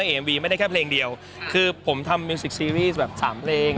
เอมวีไม่ได้แค่เพลงเดียวคือผมทำมิวสิกซีรีส์แบบสามเพลง